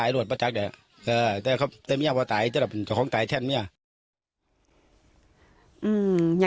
อ่าวชีวิตว่างานของตาย